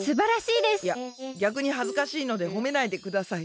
いやぎゃくにはずかしいのでほめないでください。